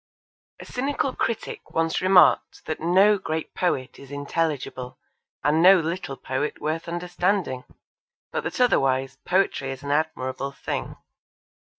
A cynical critic once remarked that no great poet is intelligible and no little poet worth understanding, but that otherwise poetry is an admirable thing.